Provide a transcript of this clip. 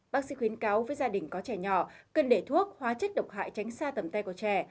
bác sĩ khuyến cáo với gia đình có trẻ nhỏ cần để thuốc hóa chất độc hại tránh xa tầm tay của trẻ